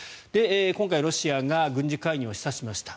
今回、ロシアが軍事介入を示唆しました。